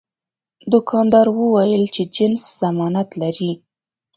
دوکاندار وویل چې جنس ضمانت لري.